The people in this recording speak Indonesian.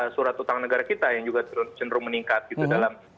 surat utang negara kita yang juga cenderung meningkat gitu dalam